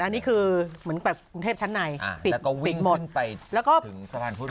อันนี้คือเหมือนแบบกรุงเทพชั้นในอ่าแล้วก็วิ่งขึ้นไปแล้วก็ถึงสะพานพุทธ